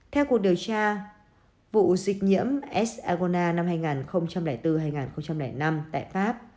theo cuộc điều tra vụ dịch nhiễm s agona năm hai nghìn bốn hai nghìn năm tại pháp